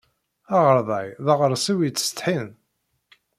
Aɣerday d aɣersiw yettsetḥin.